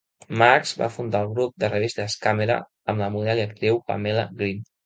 Marks va fundar el grup de revistes Kamera amb la model i actriu Pamela Green.